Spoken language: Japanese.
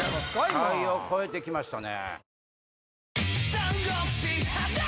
期待を超えて来ましたね。